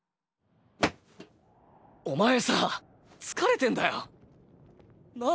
お前さぁ疲れてんだよ。なぁ？